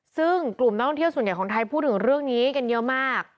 ซึ่งกลุ่มนักท่องเที่ยวส่วนใหญ่ของไทยพูดถึงเรื่องนี้กันเยอะมาก